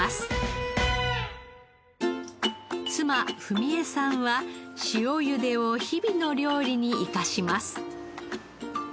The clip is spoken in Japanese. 妻史江さんは塩ゆでを日々の料理に生かします。